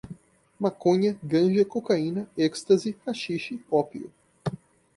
Maconha, ganja, cocaína, ecstasy, haxixe, ópio